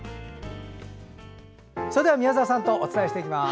それでは、宮澤さんとお伝えします。